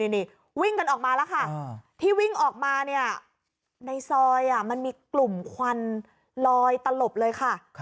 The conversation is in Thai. นี่วิ่งกันออกมาแล้วค่ะที่วิ่งออกมาเนี่ยในซอยมันมีกลุ่มควันลอยตลบเลยค่ะ